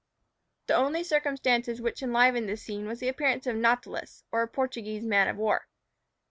The only circumstance which enlivened this scene was the appearance of a nautilus, or Portuguese man of war.